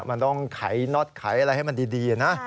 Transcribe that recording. มันต้องไขน็อตไขอะไรให้มันดีนะ